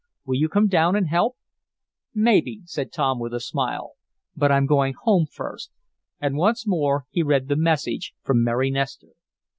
Will you come down and help?" "Maybe," said Tom, with a smile. "But I'm going home first," and once more he read the message from Mary Nestor.